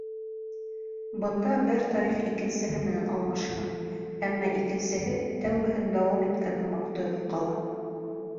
Бында бер тарих икенсеһе менән алмашына, әммә икенсеһе тәүгеһен дауам иткән һымаҡ тойғо ҡала.